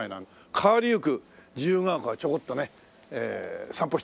変わりゆく自由が丘をちょこっとね散歩してみましょう。